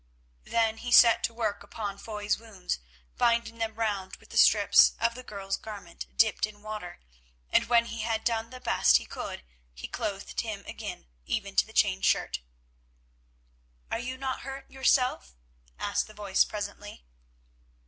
Then he set to work upon Foy's wounds, binding them round with strips of the girl's garment dipped in water, and when he had done the best he could he clothed him again, even to the chain shirt. "Are you not hurt yourself?" asked the voice presently.